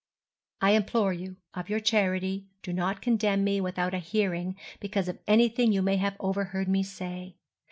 I implore you, of your charity, do not condemn me without a hearing because of anything you may have overheard me say.